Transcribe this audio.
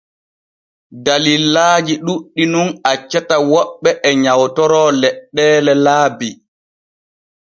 Dallillaaji ɗuuɗɗi nun accata woɓɓe e nyawtoro leɗɗeele laabi.